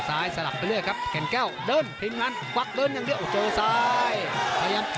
ที่เป็นเครื่องหมายคำถามตัวตัวเลยนะครับ